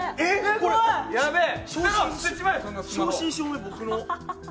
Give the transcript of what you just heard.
えっ、正真正銘、僕の。